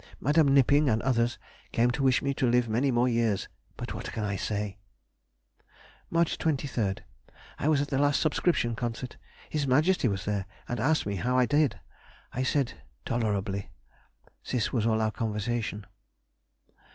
Mde. Knipping, and others, came to wish me to live many more years,—but what can I say? March 23rd.—I was at the last subscription concert. His Majesty was there, and asked me how I did? I said, tolerably! This was all our conversation.